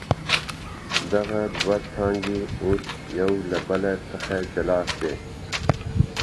دغه دوه څانګي اوس يو له بل څخه جلا سوې.